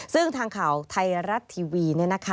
ซึ่งทางข่าวไทยรัฐทีวี